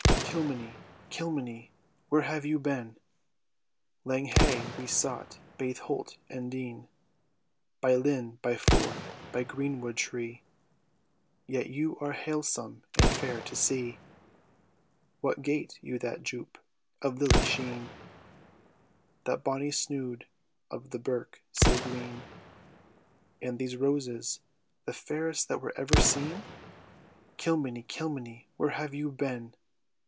"Kilmeny, Kilmeny, where have you been? Lang hae we sought baith holt and dene; By linn, by ford, and green wood tree, Yet you are halesome and fair to see. Where gat you that joup of the lily sheen? That bonny snood of the birk sae green? And these roses, the fairest that ever were seen? Kilmeny, Kilmeny, where have you been?"